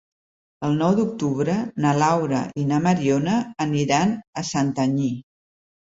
El nou d'octubre na Laura i na Mariona aniran a Santanyí.